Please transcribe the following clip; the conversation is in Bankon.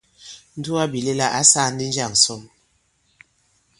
Ǹdugabìlɛla ǎ sāā ndī njâŋ ǹsɔn ?